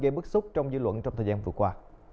gây bức xúc trong dư luận trong thời gian vừa qua